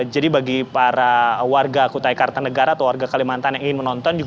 bagi para warga kutai kartanegara atau warga kalimantan yang ingin menonton